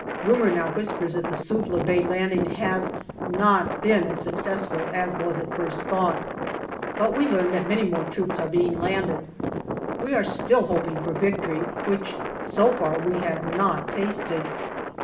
Rumour now whispers that the Suvla Bay landing has not been as successful as was at first thought. But we learn that many more troops are being landed. We are still hoping for victory, which so far we have not tasted.